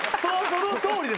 そのとおりです。